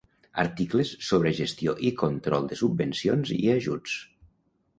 Articles sobre gestió i control de subvencions i ajuts.